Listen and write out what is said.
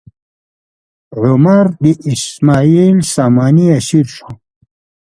عمر د اسماعیل ساماني اسیر شو.